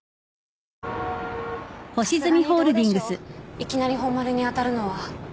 いきなり本丸に当たるのは。